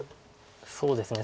そうですね